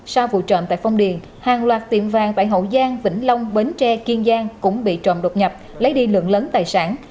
sau vụ trộm tại phong điền hàng loạt tiệm vàng tại hậu giang vĩnh long bến tre kiên giang cũng bị trộm đột nhập lấy đi lượng lớn tài sản